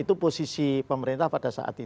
itu posisi pemerintah pada saat ini ya